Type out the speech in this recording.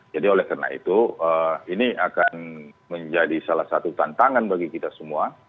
jadi oleh karena itu ini akan menjadi salah satu tantangan bagi kita semua